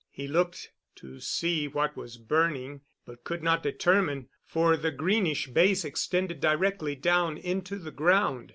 He looked to see what was burning, but could not determine, for the greenish base extended directly down into the ground.